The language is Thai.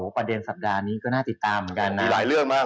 ประเด็นสัปดาห์นี้ก็น่าติดตามเหมือนกันนะ